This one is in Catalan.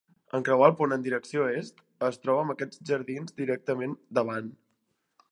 En creuar el pont en direcció est, es troba amb aquests jardins directament davant.